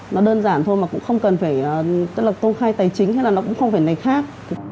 nó đơn giản thôi mà cũng không cần phải tức là công khai tài chính hay là nó cũng không phải này khác